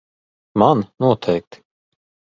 Man noteikti.